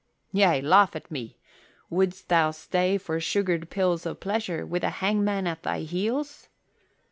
"Yea, laugh at me! Wouldst thou stay for sugared pills of pleasure with the hangman at thy heels?"